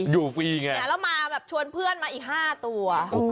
อยู่ฟรีไงแล้วมาชวนเพื่อนมาอีก๕ตัว